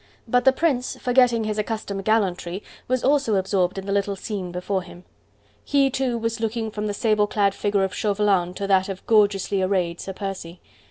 But the Prince, forgetting his accustomed gallantry, was also absorbed in the little scene before him. He, too, was looking from the sable clad figure of Chauvelin to that of gorgeously arrayed Sir Percy.